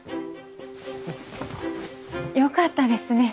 よかったですね